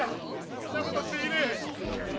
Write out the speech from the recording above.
こんなことできねえ！